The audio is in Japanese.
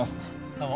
どうも。